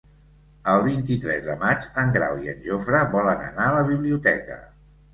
El vint-i-tres de maig en Grau i en Jofre volen anar a la biblioteca.